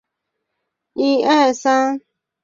立碗藓为葫芦藓科立碗藓属下的一个种。